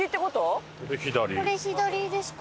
これ左ですか？